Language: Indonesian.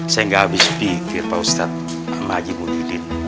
saya gak habis pikir pak ustadz sama haji muhyiddin